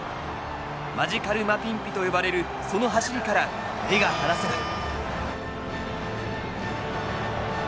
マジカル・マピンピと呼ばれるその走りから目が離せない。